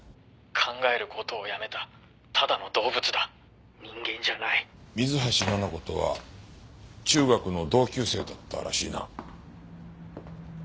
「考える事をやめたただの動物だ」「人間じゃない」水橋奈々子とは中学の同級生だったらしいな。